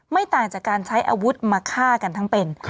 ไม่ต่างจากการใช้อาวุธมาฆ่ากันทั้งเป็น